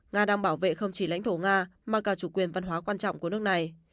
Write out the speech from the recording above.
nga đang bảo vệ không chỉ lãnh thổ nga mà cả chủ quyền văn hóa quan trọng của nước này